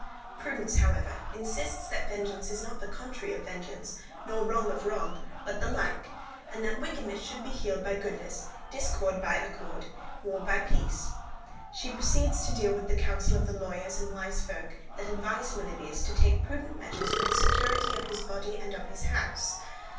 Prudence, however, insists that vengeance is not the contrary of vengeance, nor wrong of wrong, but the like; and that wickedness should be healed by goodness, discord by accord, war by peace. She proceeds to deal with the counsel of the lawyers and wise folk that advised Melibœus to take prudent measures for the security of his body and of his house.